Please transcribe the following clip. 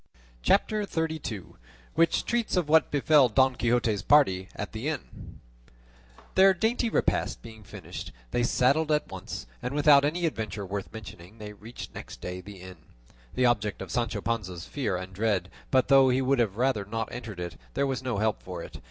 CHAPTER XXXII. WHICH TREATS OF WHAT BEFELL DON QUIXOTE'S PARTY AT THE INN Their dainty repast being finished, they saddled at once, and without any adventure worth mentioning they reached next day the inn, the object of Sancho Panza's fear and dread; but though he would have rather not entered it, there was no help for it.